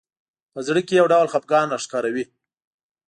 په زړه کې یو ډول خفګان راښکاره وي